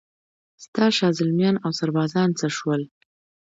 ستا شازلمیان اوسربازان څه شول؟